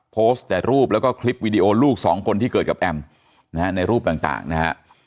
โพสต์แต่รูปแล้วก็คลิปวีดีโอลูกสองคนที่เกิดกับแอมนะฮะในรูปต่างนะฮะ